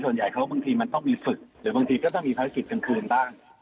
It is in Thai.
ส่วนใหญ่เขาบางทีมันต้องมีฝึกหรือบางทีก็ต้องมีภารกิจกลางคืนบ้าง